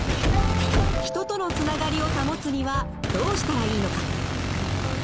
人とのつながりを保つにはどうしたらいいのか？